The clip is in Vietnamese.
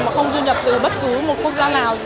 mà không duy nhập từ bất cứ một quốc gia nào